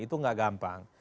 itu tidak gampang